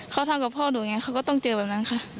เข้าทางกับพ่อหนูไงเขาก็ต้องเจอแบบนั้นค่ะ